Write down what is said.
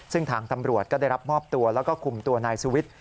ซึ่งทางตำรวจก็ได้รับมอบตัวแล้วก็คุมตัวนายสุวิทย์